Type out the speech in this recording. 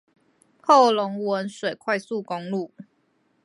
後龍汶水快速公路